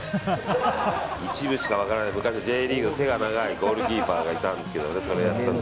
一部しか分からない、昔のＪリーグの手が長いゴールキーパーがいたんです。